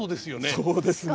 そうですね。